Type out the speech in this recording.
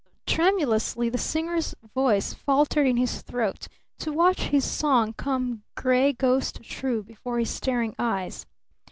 Tremulously the singer's voice faltered in his throat to watch his song come gray ghost true before his staring eyes.